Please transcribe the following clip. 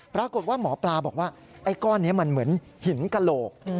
ปรากฏว่าหมอปลาบอกว่าไอ้ก้อนนี้มันเหมือนหินกระโหลก